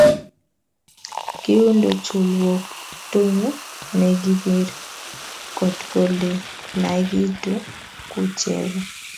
Kiundo cholwoktonyu negibir kotgolelagitu ku chego